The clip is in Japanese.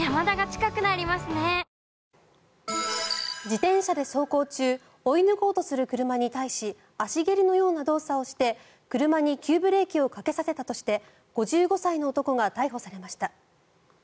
自転車で走行中追い抜こうとする車に対し足蹴りのような動作をして車に急ブレーキをかけさせたとして５５歳の男が逮捕されました。